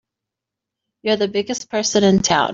You're the biggest person in town!